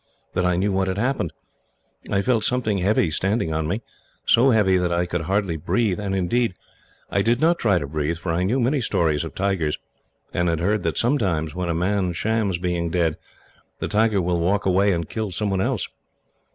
that I knew what had happened. I felt something heavy standing on me so heavy that I could hardly breathe; and indeed, I did not try to breathe, for I knew many stories of tigers, and had heard that sometimes, when a man shams being dead, the tiger will walk away and kill someone else.